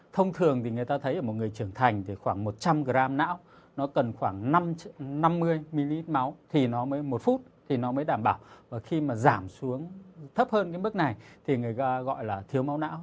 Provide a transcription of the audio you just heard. thông thường thì người ta thấy ở một người trưởng thành thì khoảng một trăm linh gram não nó cần khoảng năm mươi ml máu thì nó mới một phút thì nó mới đảm bảo và khi mà giảm xuống thấp hơn cái mức này thì người ta gọi là thiếu máu não